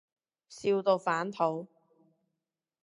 笑到反肚